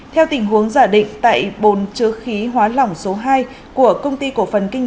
theo tình huống giả định tại bồn chứa khí hóa lỏng số hai của công ty cổ phần kinh